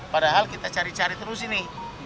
padahal kita cari cari terus ini